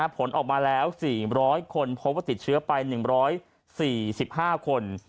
ผลออกมาแล้ว๔๐๐คนพบว่าติดเชื้อไป๑๔๕คน